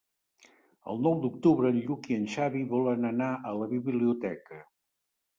El nou d'octubre en Lluc i en Xavi volen anar a la biblioteca.